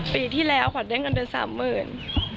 ปีที่แล้วขวัญได้เงินเดือน๓๐๐๐บาท